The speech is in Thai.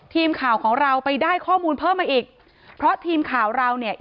ทีมข่าวของเราไปได้ข้อมูลเพิ่มมาอีกเพราะทีมข่าวเราเนี่ย